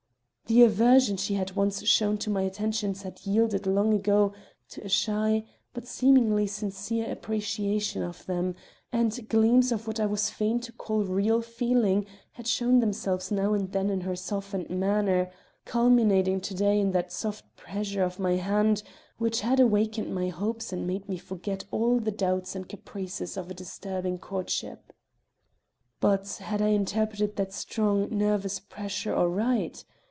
The aversion she had once shown to my attentions had yielded long ago to a shy, but seemingly sincere appreciation of them, and gleams of what I was fain to call real feeling had shown themselves now and then in her softened manner, culminating to day in that soft pressure of my hand which had awakened my hopes and made me forget all the doubts and caprices of a disturbing courtship. But, had I interpreted that strong, nervous pressure aright?